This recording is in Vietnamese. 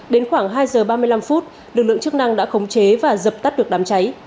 đến khoảng hai giờ ba mươi năm phút lực lượng chức năng đã khống chế và dập tắt được đám cháy